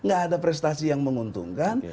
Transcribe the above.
gak ada prestasi yang menguntungkan